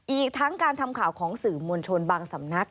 อีกทั้งการทำข่าวของสื่อมวลชนบางสำนัก